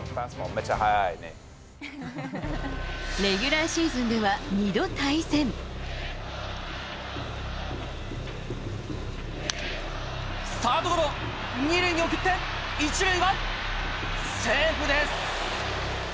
レギュラーシーズンでは２度サードゴロ、２塁に送って、１塁は、セーフです。